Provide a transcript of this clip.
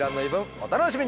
お楽しみに。